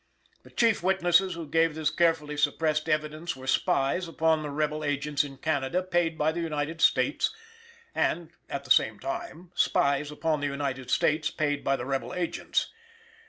The chief witnesses who gave this carefully suppressed evidence were spies upon the rebel agents in Canada paid by the United States, and, at the same time, spies upon the United States paid by the rebel agents.